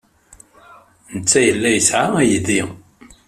Netta yella yesɛa aydi.